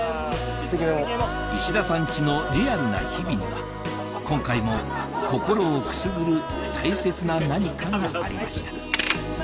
石田さんチのリアルな日々には今回も心をくすぐる大切な何かがありました